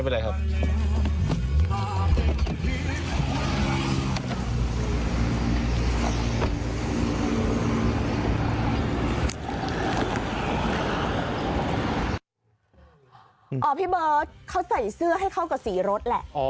พี่เบิร์ตเขาใส่เสื้อให้เข้ากับสีรถแหละ